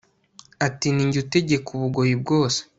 Ati Ni jye utegeka Ubugoyi bwose